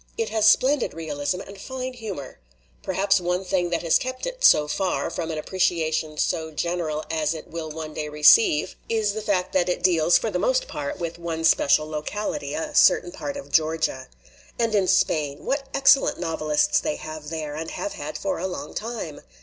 It has splendid realism and fine humor. Perhaps one thing that has kept it, so far, from an appre ciation so general as it will one day receive, is the fact that it deals, for the most part, with one special locality, a certain part of Georgia. "And in Spain what excellent novelists they have there and have had for a long time!